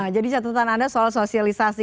jadi catatan anda soal sosialisasi